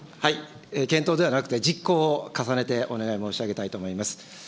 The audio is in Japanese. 検討ではなくて実行を重ねてお願い申し上げたいと思います。